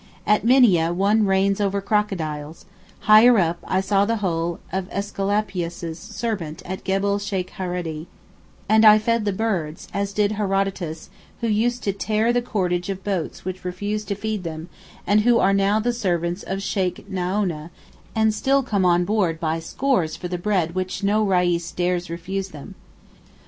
At Minieh one reigns over crocodiles; higher up I saw the hole of Æsculapius' serpent at Gebel Sheykh Hereedee, and I fed the birds—as did Herodotus—who used to tear the cordage of boats which refused to feed them, and who are now the servants of Sheykh Naooneh, and still come on board by scores for the bread which no Reis dares refuse them.